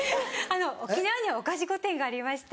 沖縄には御菓子御殿がありまして。